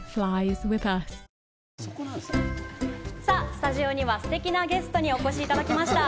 スタジオにはすてきなゲストにお越しいただきました。